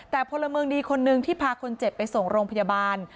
แต่พลเมืองดีคนนึงที่พาคนเจ็บไปส่งโรงพยาบาล